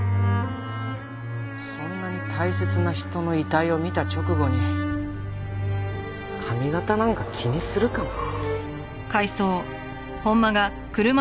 そんなに大切な人の遺体を見た直後に髪形なんか気にするかなあ。